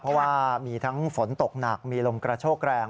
เพราะว่ามีทั้งฝนตกหนักมีลมกระโชกแรง